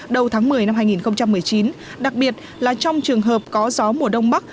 đầu tháng một mươi năm hai nghìn một mươi chín đặc biệt là trong trường hợp có gió mùa đông bắc